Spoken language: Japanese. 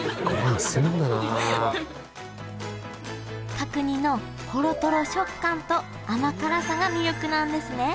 角煮のほろトロ食感と甘辛さが魅力なんですね